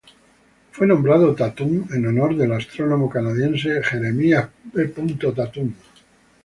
Fue nombrado Tatum en honor del astrónomo canadiense Jeremy B. Tatum.